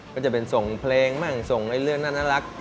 ก็จะเป็นส่งเพลงบ้างส่งเรื่องน่ารัก